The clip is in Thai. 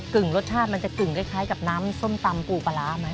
รสชาติมันจะกึ่งคล้ายกับน้ำส้มตำปูปลาร้าไหม